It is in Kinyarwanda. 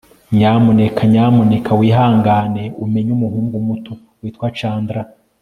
nyamuneka nyamuneka wihangane umenye umuhungu muto witwa chandler